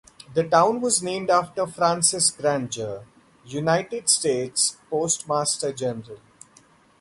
The town was named after Francis Granger, United States Postmaster General.